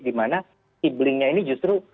di mana iblingnya ini justru